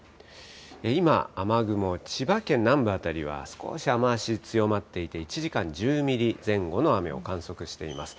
今、雨雲、千葉県南部辺りは、少し雨足強まっていて、１時間に１０ミリ前後の雨を観測しています。